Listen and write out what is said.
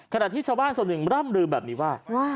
ขณะที่ชาวบ้านส่วนหนึ่งร่ำลือแบบนี้ว่า